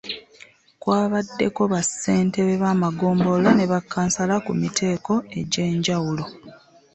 Kwabaddeko bassentebe b'amagombolola ne bakkansala ku miteeko egy'enjawulo.